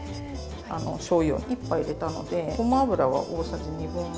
しょうゆを１杯入れたのでごま油は大さじ1/2で。